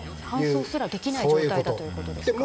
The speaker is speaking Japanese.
搬送すらできない状態だということですか。